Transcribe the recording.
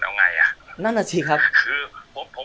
แล้วก็ลงแรงโดยที่เขามาตั้งบ้าน